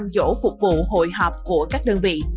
ba trăm linh chỗ phục vụ hội họp của các đơn vị